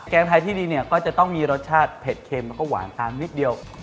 งไทยที่ดีเนี่ยก็จะต้องมีรสชาติเผ็ดเค็มแล้วก็หวานทานนิดเดียว